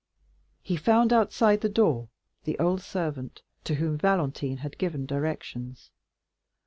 He found outside the door the old servant, to whom Valentine had given directions.